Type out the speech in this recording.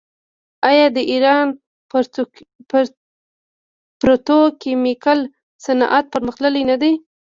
آیا د ایران پتروکیمیکل صنعت پرمختللی نه دی؟